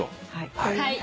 はい。